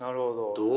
どう？